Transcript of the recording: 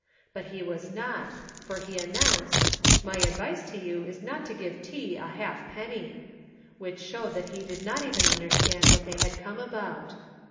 But he was not, for he announced, "My advice to you is not to give T. a halfpenny," which showed that he did not even understand what they had come about.